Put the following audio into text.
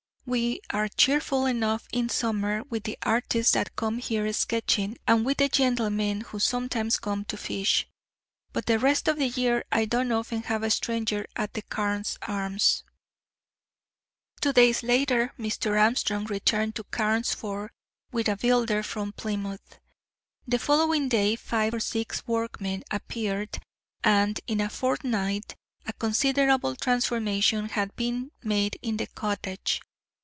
We are cheerful enough in summer with the artists that come here sketching, and with the gentlemen who sometimes come to fish; but the rest of the year I don't often have a stranger at the 'Carne's Arms.'" Two days later Mr. Armstrong returned to Carnesford with a builder from Plymouth. The following day, five or six workmen appeared, and in a fortnight a considerable transformation had been made in the cottage.